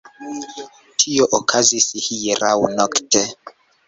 Tio okazis hieraŭ nokte.